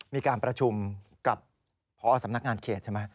มีการประชุมกับพอสำนักงานเขตใช่ไหม